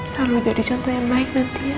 selalu jadi contoh yang baik nanti ya